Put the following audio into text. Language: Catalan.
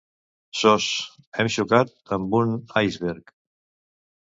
SOS, hem xocat amb un iceberg!